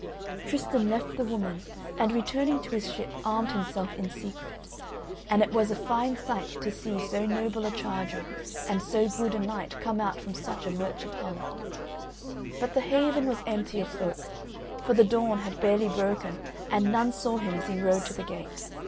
Tristan left the woman and returning to his ship armed himself in secret, and it was a fine sight to see so noble a charger and so good a knight come out from such a merchant hull: but the haven was empty of folk, for the dawn had barely broken and none saw him as he rode to the gate.